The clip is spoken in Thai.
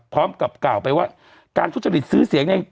พร้อมกับกล่าวไปว่าการทุจริตซื้อเสียงใน